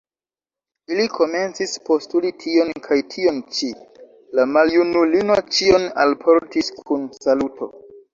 Ili komencis postuli tion kaj tion ĉi; la maljunulino ĉion alportis kun saluto.